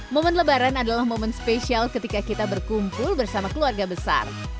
momen lebaran adalah momen spesial ketika kita berkumpul bersama keluarga besar